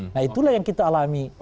nah itulah yang kita alami